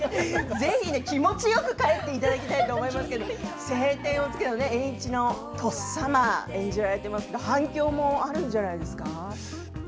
ぜひ気持ちよく帰っていただきたいと思いますけれども「青天を衝け」で栄一のとっさまを演じてらっしゃいますが反響もあるんじゃないですか？